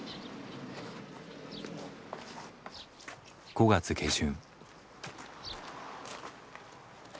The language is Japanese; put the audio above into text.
５月下旬。